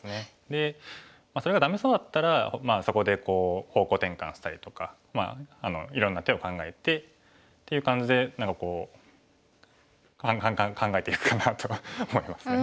でそれがダメそうだったらそこで方向転換したりとかまあいろんな手を考えてっていう感じで何かこう考えていくかなと思いますね。